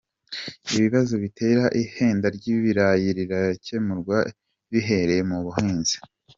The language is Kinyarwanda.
Ibibazo bitera ihenda ry’ibirayi rirakemurwa bihereye mu bahinzi